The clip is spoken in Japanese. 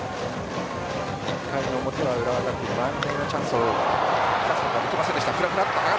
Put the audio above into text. １回の表は浦和学院は満塁のチャンスを生かすことはできませんでした。